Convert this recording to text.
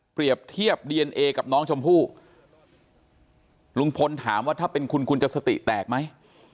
เทียบดีเอนเอกับน้องชมพู่ลุงพลถามว่าถ้าเป็นคุณคุณจะสติแตกไหม